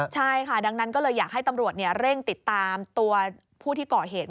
ใช่ค่ะดังนั้นก็เลยอยากให้ตำรวจเร่งติดตามตัวผู้ที่ก่อเหตุ